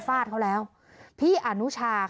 มารถกลัวมา